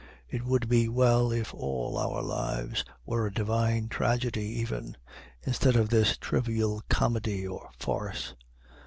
It would be well, if all our lives were a divine tragedy even, instead of this trivial comedy or farce.